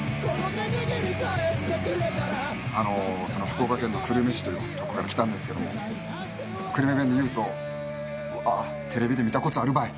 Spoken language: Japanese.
福岡県の久留米市というとこから来たんですけど久留米弁でいうと「ああ。テレビで見たこつあるばい」